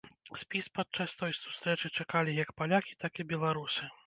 Спіс падчас той сустрэчы чакалі як палякі, так і беларусы.